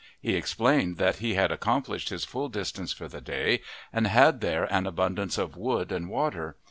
He explained that he had accomplished his full distance for the day, and had there an abundance of wood and water.